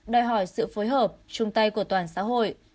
đòi hỏi sự phối hợp chung tay của toàn xã hội